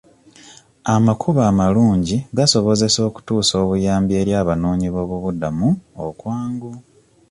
Amakubo amalungi gasobozesa okutuusa obuyambi eri abanoonyiboobubuddamu okwangu.